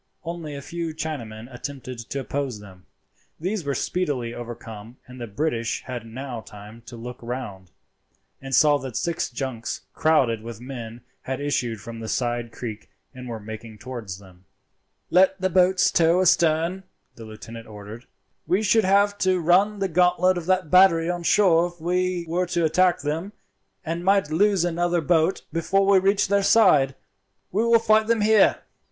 Only a few Chinamen attempted to oppose them. These were speedily overcome, and the British had now time to look round, and saw that six junks crowded with men had issued from the side creek and were making towards them. "Let the boats tow astern," the lieutenant ordered. "We should have to run the gauntlet of that battery on shore if we were to attack them, and might lose another boat before we reached their side. We will fight them here."